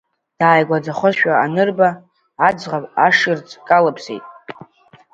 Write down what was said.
Дааигәаӡахошәа анырба, аӡӷаб ашырӡ калԥсеит.